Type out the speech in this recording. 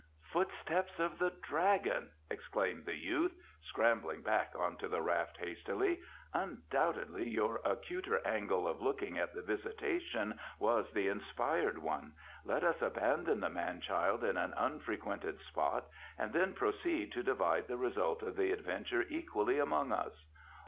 "Footsteps of the dragon!" exclaimed the youth, scrambling back on to the raft hastily; "undoubtedly your acuter angle of looking at the visitation was the inspired one. Let us abandon the man child in an unfrequented spot and then proceed to divide the result of the adventure equally among us."